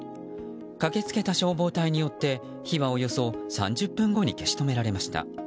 駆けつけた消防隊によって火はおよそ３０分後に消し止められました。